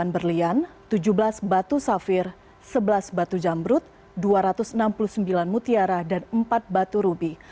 delapan berlian tujuh belas batu safir sebelas batu jambrut dua ratus enam puluh sembilan mutiara dan empat batu rubi